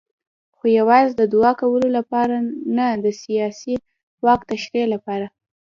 خو یوازې د دوعا کولو لپاره نه د سیاسي واک تشریح لپاره.